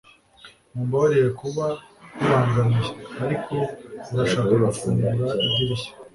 mumbabarire kuba nkubangamiye, ariko urashaka gufungura idirishya